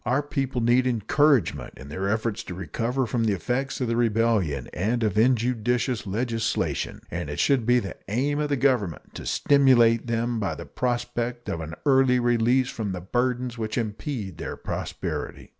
Our people need encouragement in their efforts to recover from the effects of the rebellion and of injudicious legislation, and it should be the aim of the Government to stimulate them by the prospect of an early release from the burdens which impede their prosperity.